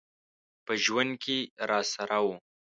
په ژوند کي راسره و .